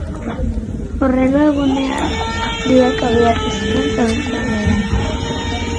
Hurrengo egunean, biak abiatu ziren tontorrera.